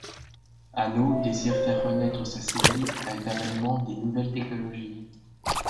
Anno désire faire renaître sa série avec l'avènement des nouvelles technologies.